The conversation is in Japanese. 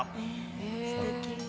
えすてき。